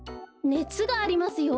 ねつがありますよ。